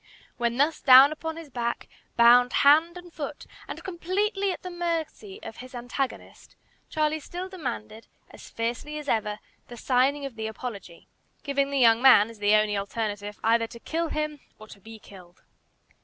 While thus down upon his back, bound hand and foot, and completely at the mercy of his antagonist, Charlie still demanded, as fiercely as ever, the signing of the "apology," giving the young man, as the only alternative, either to kill him or to be killed.